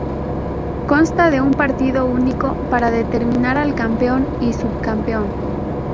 Consta de un partido único para determinar al campeón y subcampeón.